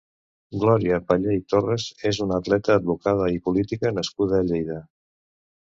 Glòria Pallé i Torres és una atleta, advocada i política nascuda a Lleida.